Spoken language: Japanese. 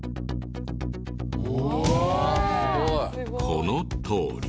このとおり。